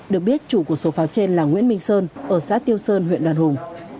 được biết chủ của số pháo trên là nguyễn minh sơn ở xã tiêu sơn huyện đoàn hùng